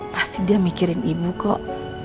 pasti dia mikirin ibu kok